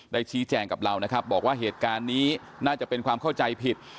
ชี้แจงกับเรานะครับบอกว่าเหตุการณ์นี้น่าจะเป็นความเข้าใจผิด